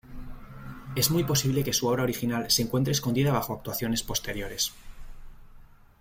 Es muy posible que su obra original se encuentre escondida bajo actuaciones posteriores.